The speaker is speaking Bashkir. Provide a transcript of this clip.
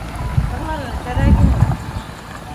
Тыңларға кәрәк ине.